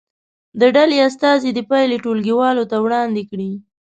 د ډلې استازي دې پایلې ټولګي والو ته وړاندې کړي.